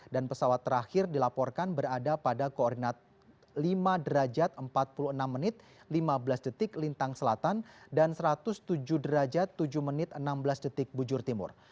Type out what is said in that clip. pesawat terakhir dilaporkan berada pada koordinat lima derajat empat puluh enam menit lima belas detik lintang selatan dan satu ratus tujuh derajat tujuh menit enam belas detik bujur timur